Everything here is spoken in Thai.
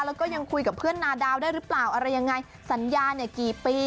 แล้วก็ยังคุยกับเพื่อนนาดาวได้หรือเปล่าอะไรยังไงสัญญาเนี่ยกี่ปี